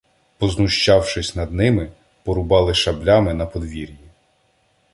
Познущавшись над ними, порубали шаблями на подвір'ї.